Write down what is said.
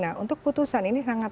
nah untuk putusan ini sangat